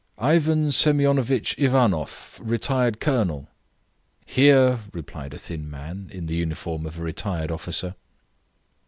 "Ivan Semionovitch Ivanoff, retired colonel!" "Here!" replied a thin man, in the uniform of a retired officer.